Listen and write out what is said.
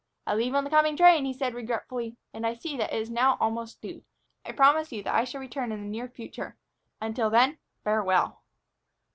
"I leave on the coming train," he said regretfully; "I see that it is now almost due. I promise you that I shall return in the near future. Until then, farewell."